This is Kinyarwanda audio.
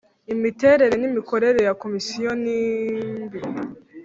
imiterere n imikorere ya Komisiyo nimbi.